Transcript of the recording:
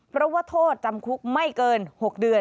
เพราะว่าโทษจำคุกไม่เกิน๖เดือน